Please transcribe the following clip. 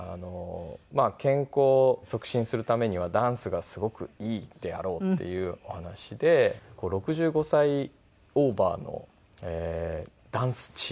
健康を促進するためにはダンスがすごくいいであろうっていうお話で６５歳オーバーのダンスチーム